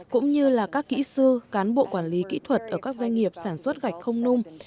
cũng như là các kỹ sư cán bộ quản lý kỹ thuật ở các doanh nghiệp sản xuất gạch không nung